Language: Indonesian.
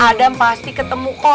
adam pasti ketemu kau